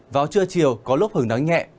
vào trưa chiều có lúc hứng nắng nhẹ